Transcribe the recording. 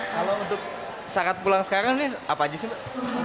kalau untuk syarat pulang sekarang ini apa aja sih pak